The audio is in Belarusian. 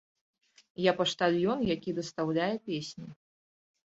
Я паштальён, які дастаўляе песні.